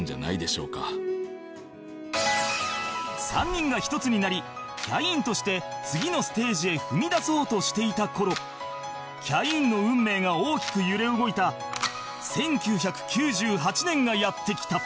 ３人が一つになりキャインとして次のステージへ踏み出そうとしていた頃キャインの運命が大きく揺れ動いた１９９８年がやって来た